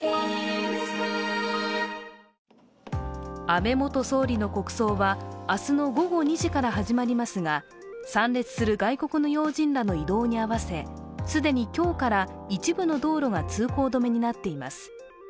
安倍元総理の国葬は明日の午後２時から始まりますが参列する外国の要人らの移動に合わせ既に今日から一部の道路が通行止めになっています。